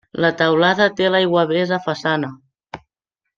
La teulada té l'aiguavés a façana.